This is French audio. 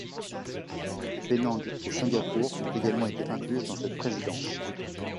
Penang et Singapour ont également été incluses dans cette présidence.